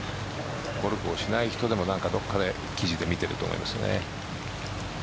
ゴルフをしない人でも何かどこかで記事で見ていると思いますね。